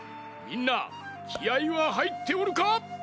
みんなきあいははいっておるか？